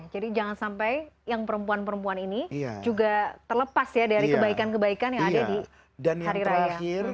jadi jangan sampai yang perempuan perempuan ini juga terlepas ya dari kebaikan kebaikan yang ada di hari raya